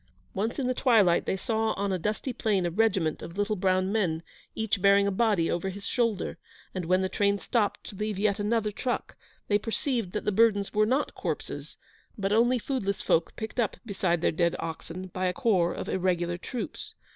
Once in the twilight they saw on a dusty plain a regiment of little brown men, each bearing a body over his shoulder; and when the train stopped to leave yet another truck, they perceived that the burdens were not corpses, but only foodless folk picked up beside their dead oxen by a corps of Irregular troops.